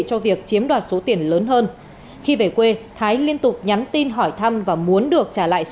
cho việc chiếm đoạt số tiền lớn hơn khi về quê thái liên tục nhắn tin hỏi thăm và muốn được trả lại